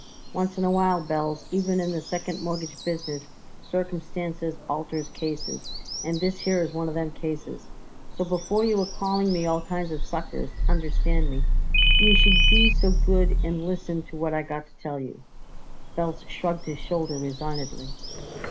Once in a while, Belz, even in the second mortgage business, circumstances alters cases, and this here is one of them cases; so before you are calling me all kinds of suckers, understand me, you should be so good and listen to what I got to tell you." Belz shrugged his shoulders resignedly.